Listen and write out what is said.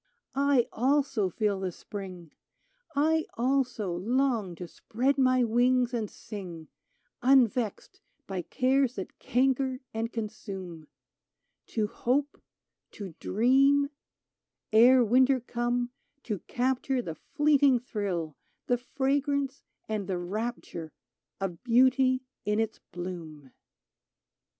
" I, also, feel the Spring ! I, also, long to spread my wings and sing, Unvexed by cares that canker and consume : To hope, to dream, — ere winter come, to capture The fleeting thrill, the fragrance and the rapture Of beauty in its bloom